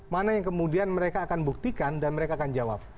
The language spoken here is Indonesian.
mana yang kemudian mereka akan buktikan dan mereka akan jawab